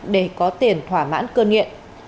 để có tiền thỏa mãn cơn nghiện